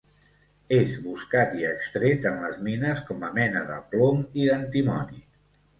És buscat i extret en les mines com a mena de plom i d'antimoni.